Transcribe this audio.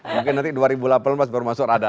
mungkin nanti dua ribu delapan belas baru masuk ada